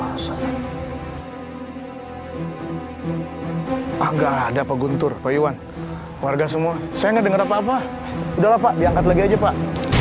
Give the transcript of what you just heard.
ada pak guntur pak iwan warga semua saya dengar apa apa udah pak diangkat lagi aja pak